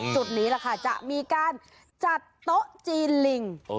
จุดนี้จะมีการจัดโต๊ะจีนลิง